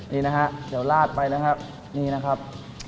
นี่นะฮะเดี๋ยวลาดไปนะครับ